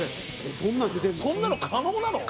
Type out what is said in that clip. そんなの可能なの？